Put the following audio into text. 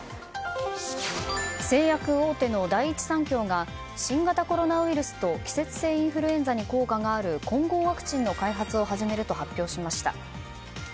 製薬大手の第一三共が新型コロナウイルスと季節性インフルエンザに効果がある混合ワクチンの開発を始めると発表しました。